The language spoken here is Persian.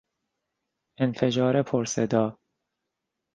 انفجار پر صدا